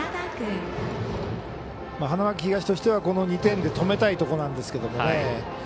花巻東としては、この２点で止めたいところなんですけどね。